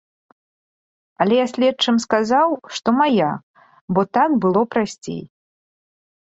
Але я следчым сказаў, што мая, бо так было прасцей.